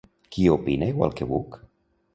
Qui opina igual que Buch?